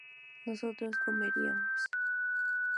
nosotros comeríamos